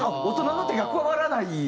大人の手が加わらない。